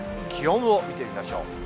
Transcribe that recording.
気温を見てみましょう。